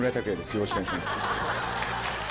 よろしくお願いします。